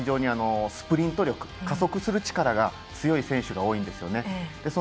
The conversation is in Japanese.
今回のメンバーはスプリント力加速する力が強い選手が多いんですよね。